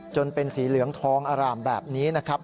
จนเป็นสีเหลืองทองอร่ามแบบนี้นะครับ